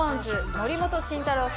森本慎太郎さん